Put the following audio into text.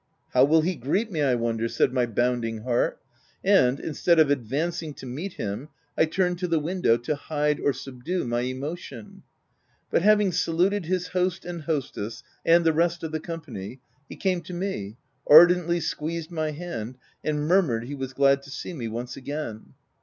"How will he greet me, I wonder?" said my bounding heart ; and instead of advancing to meet him, I turned to the window to hide or subdue my emotion. But having saluted his host and hostess, and the rest of the company, he came to me, ardently squeezed my hand, and murmured he was glad to see me once again.